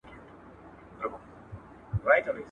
تر کاچوغي ئې لاستی دروند دئ.